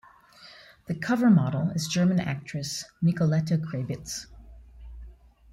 The cover model is German actress Nicolette Krebitz.